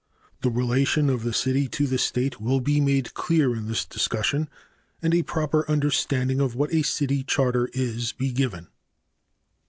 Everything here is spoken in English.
The relation of the city to the State will be made clear in this discussion, and a proper understanding of what a city charter is be given.